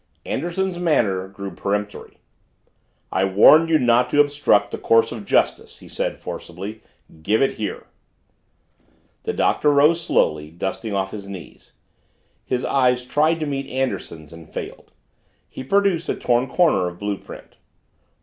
Anderson's manner grew peremptory. "I warn you not to obstruct the course of justice!" he said forcibly. "Give it here!" The Doctor rose slowly, dusting off his knees. His eyes tried to meet Anderson's and failed. He produced a torn corner of blue print.